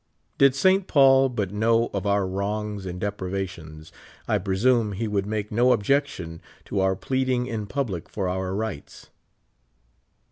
Did St. Paul but know of our wrongs and deprivations, I presume he would make no o))jection to our pleading in public for our rights.